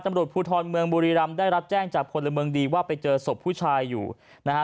ตำรวจภูทรเมืองบุรีรำได้รับแจ้งจากพลเมืองดีว่าไปเจอศพผู้ชายอยู่นะฮะ